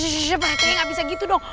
shh pak rite nggak bisa gitu dong